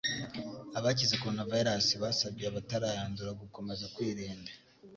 Abakize Coronavirus basabye abatarayandura gukomeza kwirinda